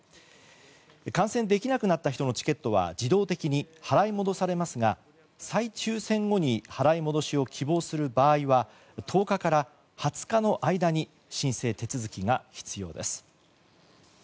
観戦できなくなった人のチケットは自動的に払い戻されますが、再抽選後に払い戻しを希望する場合は１０日から２０日の間に申請手続きが必要です。